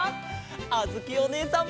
あづきおねえさん！